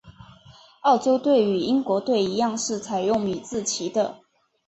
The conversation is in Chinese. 澳洲队与英国队一样是采用米字旗的。